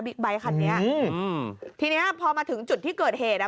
ไบท์คันนี้อืมทีเนี้ยพอมาถึงจุดที่เกิดเหตุอ่ะ